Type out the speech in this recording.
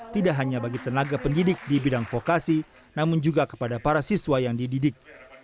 tidak hanya bagi tenaga pendidik di bidang vokasi namun juga kepada para siswa yang dididik